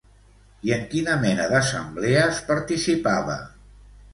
I en quina mena d'assemblees participava?